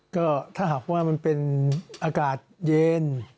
ก็ถ้าหากว่ามันเป็นอากาศเย็น